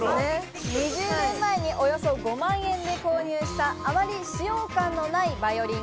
２０年前におよそ５万円で購入した、あまり使用感のないバイオリン。